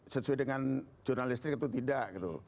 sesuai dengan jurnalistik atau tidak gitu